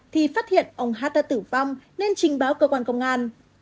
thì phát hiện ông hát đã tử vong nên trình báo cơ quan công an